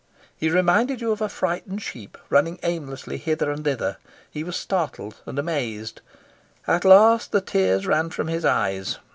He reminded you of a frightened sheep running aimlessly hither and thither. He was startled and amazed. At last the tears ran from his eyes.